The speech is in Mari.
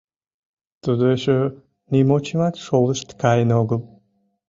— Тудо эше нимочымат шолышт каен огыл?